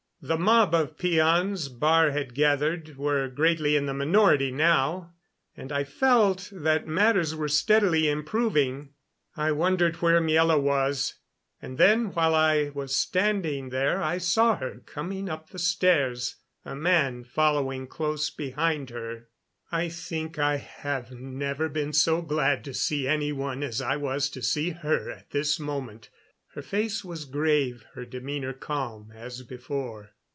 The mob of peons Baar had gathered were greatly in the minority now, and I felt that matters were steadily improving. I wondered where Miela was, and then while I was standing there I saw her coming up the stairs, a man following close behind her. I think I have never been so glad to see any one as I was to see her at this moment. Her face was grave; her demeanor calm, as before.